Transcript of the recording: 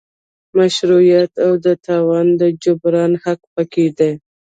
مشروعیت او د تاوان د جبران حق پکې دی.